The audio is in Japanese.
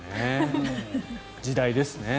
時代ですね。